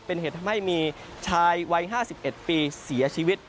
เป็นเหตุทำให้มีชายวัย๕๑ปีเสียชีวิต